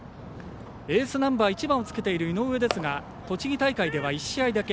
エースナンバー１番をつけている井上ですが栃木大会では１試合だけ。